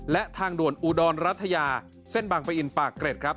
และทางด่วนอุดรรัฐยาเส้นบางปะอินปากเกร็ดครับ